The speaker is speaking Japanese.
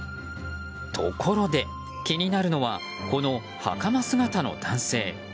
ところで、気になるのはこのはかま姿の男性。